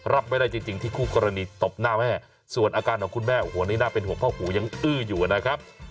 รับไม่ได้จริงที่คู่กรณีตบหน้าแม่ส่วนอาการของคุณแม่โอ้โหนี่น่าเป็นห่วงเพราะหูยังอื้ออยู่นะครับ